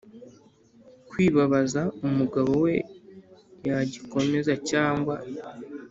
Kwibabaza umugabo we yagikomeza cyangwa